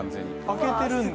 開けてるんです。